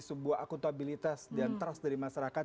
sebuah akuntabilitas dan trust dari masyarakat